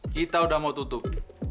kita udah mau tutup